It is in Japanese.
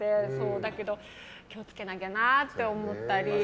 だけど気をつけなきゃなと思ったり。